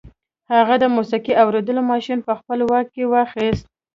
هغه د موسیقي اورېدو ماشين په خپل واک کې واخیست